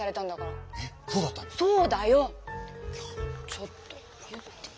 ちょっと言ってよ！